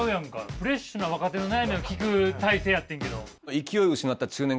フレッシュな若手の悩みを聞く態勢やってんけど。